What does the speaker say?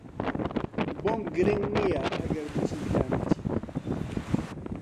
بۆم گرنگ نییە ئەگەر بچیت یان نەچیت.